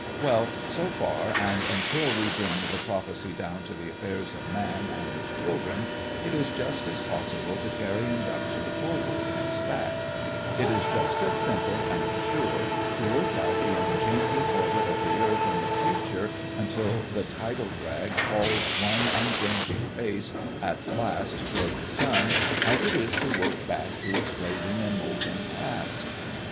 Well, so far and until we bring the prophecy down to the affairs of man and his children, it is just as possible to carry induction forward as back; it is just as simple and sure to work out the changing orbit of the earth in the future until the tidal drag hauls one unchanging face at last toward the sun as it is to work back to its blazing and molten past.